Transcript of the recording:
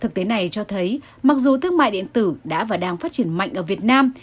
thực tế này cho thấy mặc dù thương mại điện tử đã và đang phát triển mạnh ở việt nam